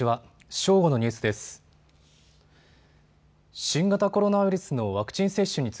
正午のニュースです。